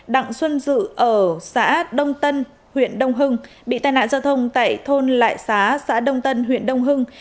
đặng xuân dự ở xã đông tân huyện đông hưng bị tai nạn giao thông tại thôn lại xá xã đông tân huyện đông hưng